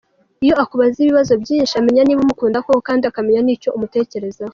Iyo akubza ibibazo byinshi amenya niba umukunda koko kandi akamenya nicyo umutekerezaho.